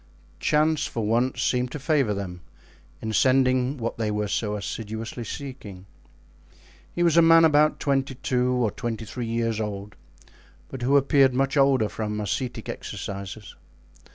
Chance for once seemed to favor them in sending what they were so assiduously seeking. He was a man about twenty two or twenty three years old, but who appeared much older from ascetic exercises.